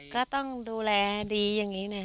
ก็ต้องดูแลดีอย่างนี้นะ